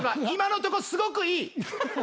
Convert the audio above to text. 今のとこすごくいい！